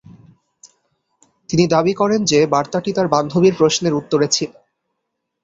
তিনি দাবি করেন যে বার্তাটি তার বান্ধবীর প্রশ্নের উত্তরে ছিল।